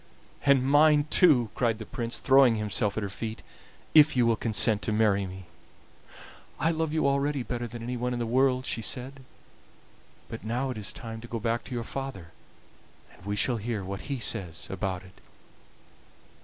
"And mine too," cried the Prince, throwing himself at her feet, "if you will consent to marry me." "I love you already better than anyone in the world," she said; "but now it is time to go back to your father, and we shall hear what he says about it."